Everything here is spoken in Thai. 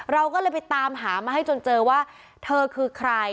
เราก็เลยไปตามหามาให้จนเจอว่าเธอคือใคร